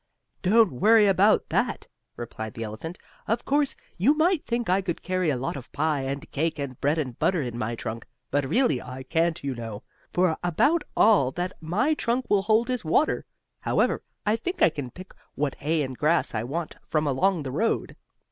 "Don't worry about that," replied the elephant. "Of course you might think I could carry a lot of pie and cake and bread and butter in my trunk, but really I can't you know, for about all that my trunk will hold is water. However, I think I can pick what hay and grass I want from along the road."